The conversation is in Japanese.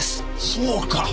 そうか！